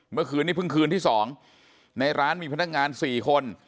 เมื่อคืนนี้เพิ่งคืนที่๒ในร้านมีพนักงาน๔คน